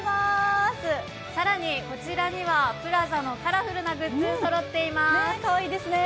更にこちらにはＰＬＡＺＡのカラフルなグッズそろってます。